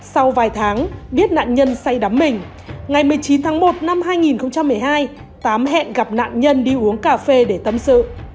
sau vài tháng biết nạn nhân say đắm mình ngày một mươi chín tháng một năm hai nghìn một mươi hai tám hẹn gặp nạn nhân đi uống cà phê để tâm sự